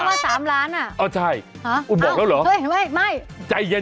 อย่าบอกนะว่า๓ล้านอ่ะอ๋อใช่อุ๊ยบอกแล้วหรอเอ้ยไม่ใจเย็น